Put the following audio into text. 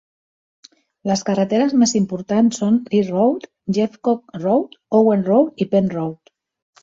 Les carreteres més importants són Lea Road, Jeffcock Road, Owen Road i Penn Road.